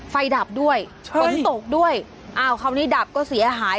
ดับด้วยฝนตกด้วยอ้าวคราวนี้ดับก็เสียหาย